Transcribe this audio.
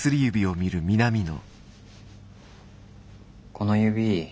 この指